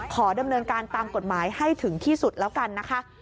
ขอดำเนินการตามกฎหมายให้ถึงที่สุดแล้วกันนะคะ